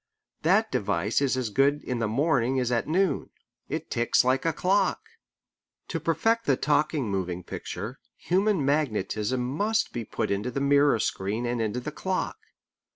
That device is as good in the morning as at noon. It ticks like a clock. To perfect the talking moving picture, human magnetism must be put into the mirror screen and into the clock.